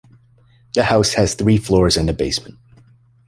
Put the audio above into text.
The house has three floors and a basement.